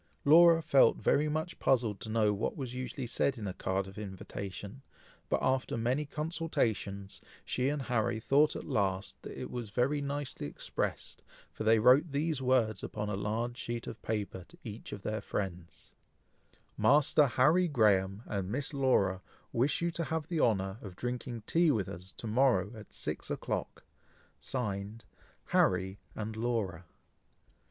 Laura felt very much puzzled to know what was usually said in a card of invitation, but after many consultations, she and Harry thought at last, that it was very nicely expressed, for they wrote these words upon a large sheet of paper to each of their friends: Master Harry Graham and Miss Laura wish you to have the honour of drinking tea with us to morrow, at six o'clock. (Signed) Harry and Laura.